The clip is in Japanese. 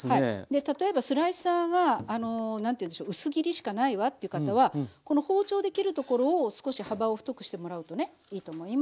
例えばスライサーが何というんでしょう薄切りしかないわという方はこの包丁で切るところを少し幅を太くしてもらうとねいいと思います。